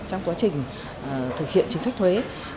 trong quá trình thực hiện chính sách thuế